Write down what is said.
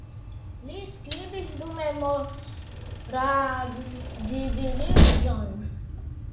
Li skribis du memoraĵlibrojn.